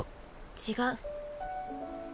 違う。